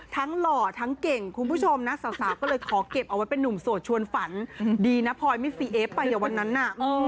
หล่อทั้งเก่งคุณผู้ชมนะสาวก็เลยขอเก็บเอาไว้เป็นนุ่มโสดชวนฝันดีนะพลอยไม่ซีเอฟไปวันนั้นน่ะ